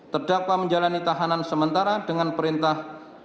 terdakwa menjalani tahanan sementara dengan perintah